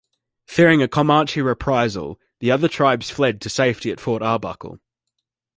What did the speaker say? Fearing a Comanche reprisal, the other tribes fled to safety at Fort Arbuckle.